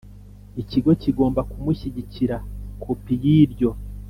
Ikigo kigomba kumushyikiriza kopi y iryo